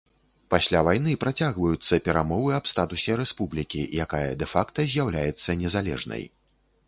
Пасля вайны працягваюцца перамовы аб статусе рэспублікі, якая дэ-факта з'яўляецца незалежнай.